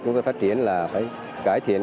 chúng ta phát triển là phải cải thiện